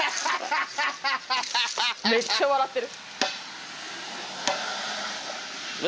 めっちゃ笑ってる。